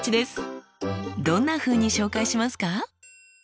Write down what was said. どんなふうに紹介しますか？